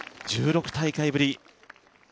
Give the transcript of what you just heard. １６大会ぶり